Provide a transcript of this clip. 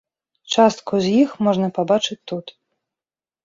Частку з іх можна пабачыць тут.